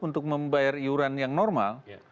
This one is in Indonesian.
untuk membayar iuran yang normal